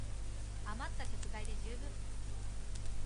あまった食材で充分